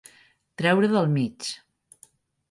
Treure del mig.